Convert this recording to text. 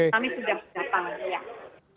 tidak perlu dikhawatirkan lagi